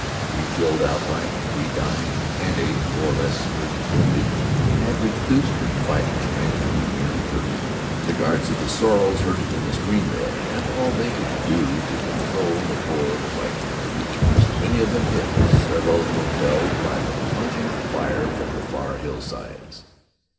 Three killed outright; three dying and eight more or less severely wounded had reduced their fighting strength to nearly thirty. The guards of the sorrels, herded in the stream bed, had all they could do to control the poor, frightened creatures, many of them hit, several of them felled, by the plunging fire from the far hillsides.